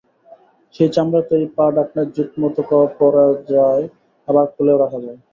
সেই চামড়ার তৈরি পা-ঢাকনা জুতমতো পরা যায়, আবার খুলেও রাখা যায়।